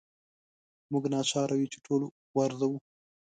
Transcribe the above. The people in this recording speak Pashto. موږ ناچاره یو چې ټول وارزوو.